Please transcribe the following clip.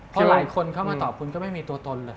พอหลายคนเข้ามาตอบคุณก็ไม่มีตัวตนเลย